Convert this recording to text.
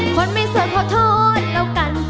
คนไม่โสดโทษแล้วกัน